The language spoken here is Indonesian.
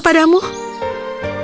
aku akan mencintaimu